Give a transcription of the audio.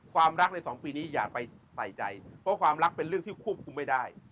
ความรักในสองปีนี้อย่าไปใส่ใจเพราะความรักเป็นเรื่องที่ควบคุมไม่ได้